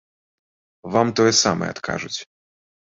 Вам тое самае адкажуць.